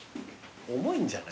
重いんじゃない？